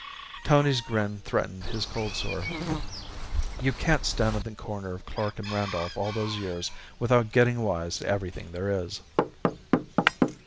Tony's grin threatened his cold sore. You can't stand on the corner of Clark and Randolph all those years without getting wise to everything there is.